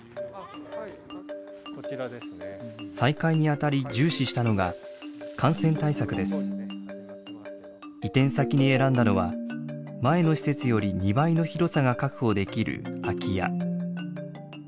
再開にあたり重視したのが移転先に選んだのは前の施設より２倍の広さが確保できる空き家。